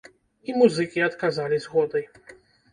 І музыкі адказалі згодай.